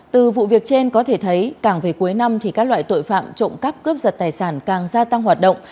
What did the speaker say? từ vụ việc trên có thể thấy càng về cuối năm thì các loại tội phạm trộm cắp cướp giật tài sản càng gia tăng hoạt động